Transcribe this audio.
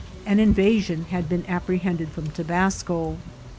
An invasion had been apprehended from Tobasco.